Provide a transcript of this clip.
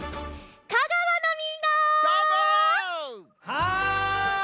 はい！